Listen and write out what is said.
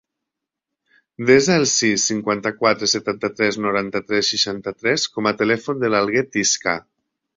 Desa el sis, cinquanta-quatre, setanta-tres, noranta-tres, seixanta-tres com a telèfon de l'Alguer Tiscar.